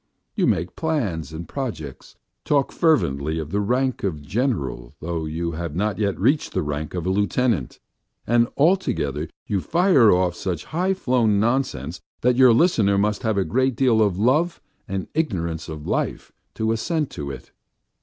You make plans and projects, talk fervently of the rank of general though you have not yet reached the rank of a lieutenant, and altogether you fire off such high flown nonsense that your listener must have a great deal of love and ignorance of life to assent to it.